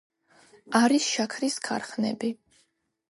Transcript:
არის შაქრის ქარხნები.